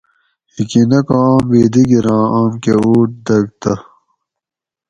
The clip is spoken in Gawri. ہِکی نہ کو آم بھی دِگیراں آم کہ ووٹ دگ تہ